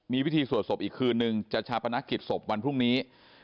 มีพิธีสวดศพอีกคืนนึงจะชาปนกิจศพวันพรุ่งนี้